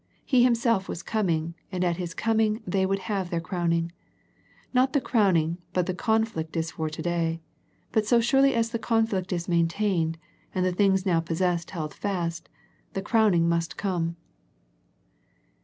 He Himself was coming, and at His coming they would have their crowning. Not the crown ing but the conflict is for to day, but so surely as the conflict is maintained, and the things now po:sessed held fast, the crowning must come.